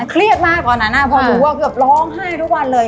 เครียดมากตอนนั้นพอรู้ว่าเกือบร้องไห้ทุกวันเลย